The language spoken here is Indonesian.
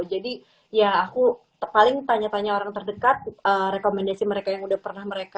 jadi ya aku paling tanya tanya orang terdekat rekomendasi mereka yang udah pernah mereka